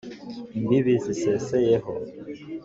imbibi ziseseyeho,